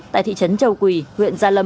tại thị trấn châu quỳ huyện gia lâm